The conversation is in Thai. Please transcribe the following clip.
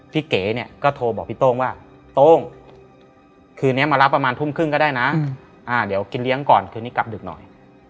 เก๋เนี่ยก็โทรบอกพี่โต้งว่าโต้งคืนนี้มารับประมาณทุ่มครึ่งก็ได้นะเดี๋ยวกินเลี้ยงก่อนคืนนี้กลับดึกหน่อย